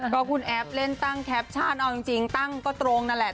ก็คุณแอฟเล่นตั้งแคปชั่นเอาจริงตั้งก็ตรงนั่นแหละ